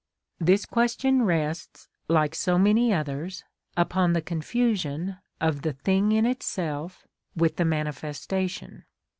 This question rests, like so many others, upon the confusion of the thing in itself with the manifestation.